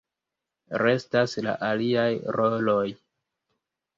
Restas la aliaj roloj.